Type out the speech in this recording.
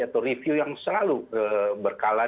atau review yang selalu berkala